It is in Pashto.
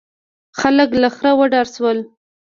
خلک له خره وډار شول.